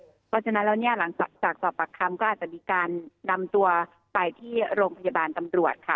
เพราะฉะนั้นแล้วเนี่ยหลังจากสอบปากคำก็อาจจะมีการนำตัวไปที่โรงพยาบาลตำรวจค่ะ